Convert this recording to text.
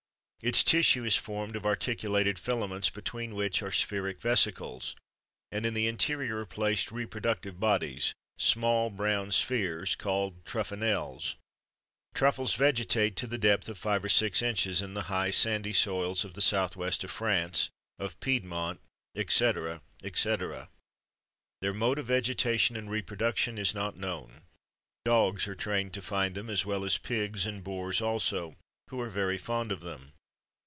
Its tissue is formed of articulated filaments, between which are spheric vesicles, and in the interior are placed reproductive bodies, small brown spheres, called truffinelles. Truffles vegetate to the depth of five or six inches in the high sandy soils of the south west of France, of Piedmont, &c., &c. Their mode of vegetation and reproduction is not known. Dogs are trained to find them, as well as pigs, and boars also, who are very fond of them.